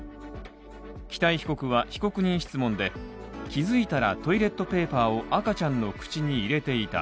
北井被告は被告人質問で気づいたらトイレットペーパーを赤ちゃんの口に入れていた。